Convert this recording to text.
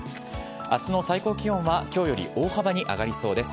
あすの最高気温は、きょうより大幅に上がりそうです。